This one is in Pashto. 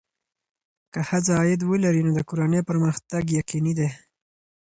که ښځه عاید ولري، نو د کورنۍ پرمختګ یقیني دی.